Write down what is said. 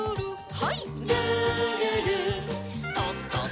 はい。